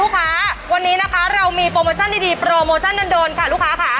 โปรโมชั่นดีโปรโมชั่นนานโดนลูกค้าค่ะ